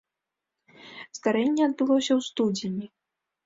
Здарэнне адбылося ў студзені.